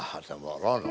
yang banyak bo bahasannya